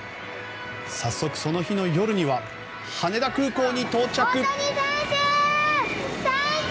早速、その日の夜には羽田空港に到着。